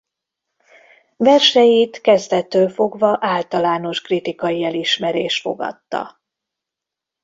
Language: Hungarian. Verseit kezdettől fogva általános kritikai elismerés fogadta.